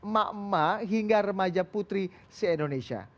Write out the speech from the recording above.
mak emak hingga remaja putri si indonesia